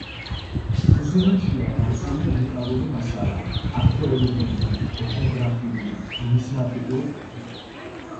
მუზეუმშია დაცული, უნიკალური მასალა: არქეოლოგიური, ეთნოგრაფიული, ნუმიზმატიკური კუთხით.